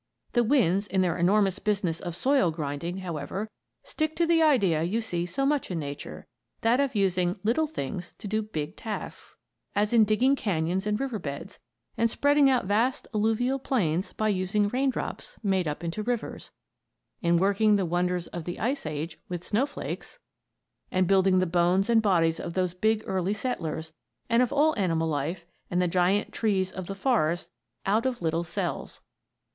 The winds, in their enormous business of soil grinding, however, stick to the idea you see so much in Nature, that of using little things to do big tasks; as in digging canyons and river beds, and spreading out vast alluvial plains by using raindrops made up into rivers; in working the wonders of the Ice Ages with snowflakes; and building the bones and bodies of those big early settlers, and of all animal life, and the giant trees of the forest out of little cells.